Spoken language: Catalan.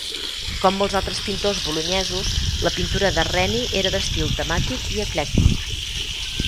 Com molts altres pintors bolonyesos, la pintura de Reni era d'estil temàtic i eclèctic.